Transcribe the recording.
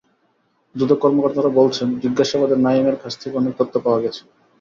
দুদক কর্মকর্তারা বলছেন, জিজ্ঞাসাবাদে নাঈমের কাছ থেকে অনেক তথ্য পাওয়া গেছে।